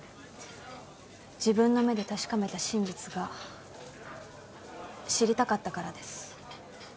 自分の目で確かめた真実が知りたかったからです。